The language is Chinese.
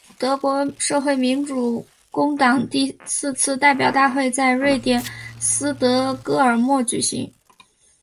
俄国社会民主工党第四次代表大会在瑞典斯德哥尔摩举行。